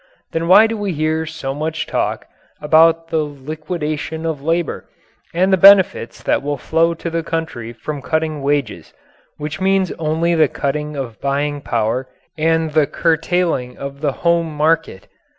Then why do we hear so much talk about the "liquidation of labour" and the benefits that will flow to the country from cutting wages which means only the cutting of buying power and the curtailing of the home market?